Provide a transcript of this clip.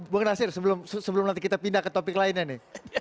bung nasir sebelum nanti kita pindah ke topik lainnya nih